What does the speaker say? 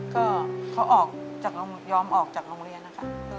ก็เขายอมออกจากโรงเรียนนะคะ